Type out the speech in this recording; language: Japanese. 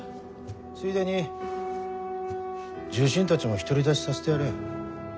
ついでに重臣たちも独り立ちさせてやれ。